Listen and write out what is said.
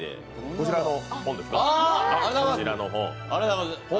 こちらの本。